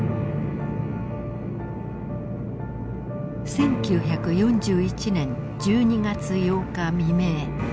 １９４１年１２月８日未明